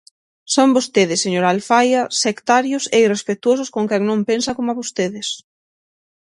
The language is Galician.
Son vostedes, señora Alfaia, sectarios e irrespectuosos con quen non pensa coma vostedes.